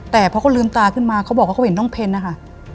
แต่พอเขาลืมตาขึ้นมาเขาบอกว่าเขาเห็นน้องเพนนะคะ